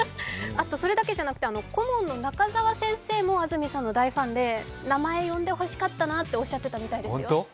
それだけじゃなくて、顧問のナカザワ先生も安住さんの大ファンで名前呼んでほしかったなっておっしゃってたみたいですよ。